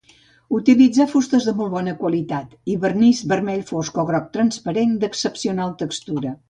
Utilitzà fustes de molt bona qualitat i vernís vermell fosc o groc transparent d'excepcional textura.